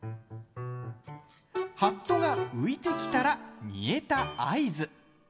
はっとが浮いてきたら煮えた合図。